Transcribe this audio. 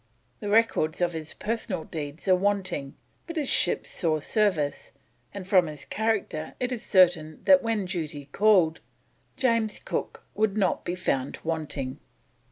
The records of his personal deeds are wanting, but his ships saw service, and from his character it is certain that when duty called, James Cook would not be found wanting.